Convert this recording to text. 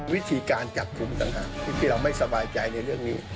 วิธีการจับกลุ่มนะครับวิธีเราไม่สบายใจในเรื่องนี้